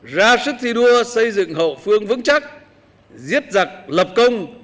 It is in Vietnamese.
ra sức thi đua xây dựng hậu phương vững chắc giết giặc lập công